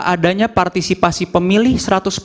adanya partisipasi pemilih